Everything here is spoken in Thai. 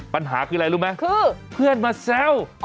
ปัญหาคืออะไรรู้ไหมคือเพื่อนมาแซว